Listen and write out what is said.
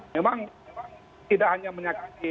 memang tidak hanya menyakiti